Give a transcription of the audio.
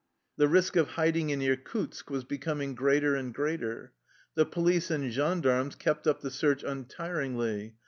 The risk of hiding in Irkutsk was becoming greater and greater. The police and gendarmes kept up the search untiringly.